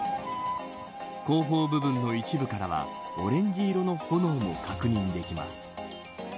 後方部分の一部からはオレンジ色の炎も確認できます。